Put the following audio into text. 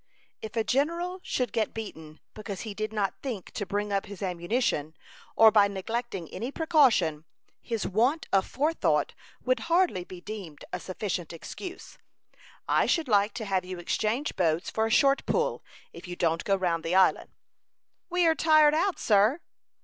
"If a general should get beaten because he did not think to bring up his ammunition, or by neglecting any precaution, his want of forethought would hardly be deemed a sufficient excuse. I should like to have you exchange boats for a short pull, if you don't go round the island." "We are tired out, sir."